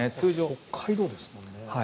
北海道ですもんね。